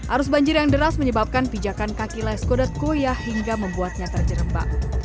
arus banjir yang deras menyebabkan pijakan kaki laiskodat goyah hingga membuatnya terjerembak